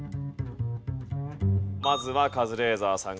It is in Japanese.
まずはカズレーザーさん